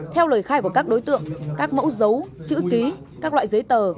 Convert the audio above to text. theo lời khai của các đối tượng các mẫu dấu chữ ký các loại giấy tờ